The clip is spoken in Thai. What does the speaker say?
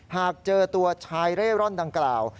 หากเจอตัวชายเร่ร่อนดังกล่าว